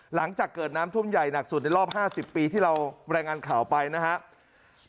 หลังจากเกิดน้ำท่วมใหญ่หนักสุดในรอบ๕๐ปีที่เรารายงานข่าวไปนะครับ